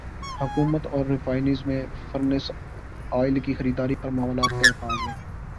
حکومت اور ریفائنریز میں فرنس ئل کی خریداری پر معاملات طے پاگئے